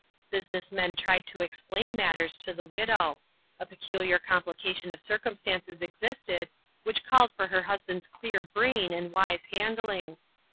Business men tried to explain mat ters to the widow. A peculiar complication of circumstances existed, which called for her husband's clear brain and wise handling.